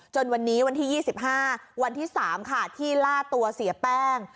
จนวันนี้วันที่ยี่สิบห้าวันที่สามค่ะที่ล่าตัวเสียแป้ง